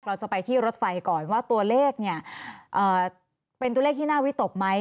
เราจะไปที่รถไฟก่อนว่าตัวเลขเนี่ยเป็นตัวเลขที่น่าวิตกไหม